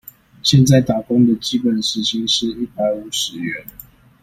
現在打工的基本時薪是一百五十元